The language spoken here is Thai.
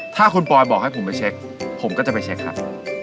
ถ้าคุณปอยบอกให้ผมไปเช็คผมก็จะไปเช็คครับ